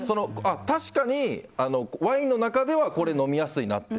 確かにワインの中ではこれ飲みやすいなって。